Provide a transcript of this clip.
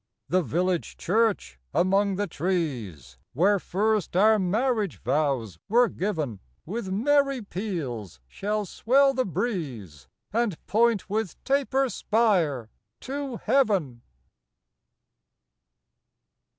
The village church, among the trees, Where first our marriage vows were giv'n, With merry peals shall swell the breeze, And point with taper spire to heav'n.